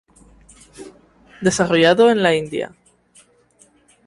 Desarrollado en la India.